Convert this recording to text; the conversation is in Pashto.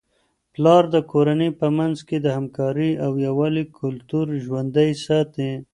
پلار د کورنی په منځ کي د همکارۍ او یووالي کلتور ژوندۍ ساتي.